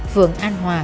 vườn an hòa